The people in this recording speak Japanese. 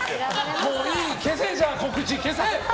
もういい、消せ、告知消せ！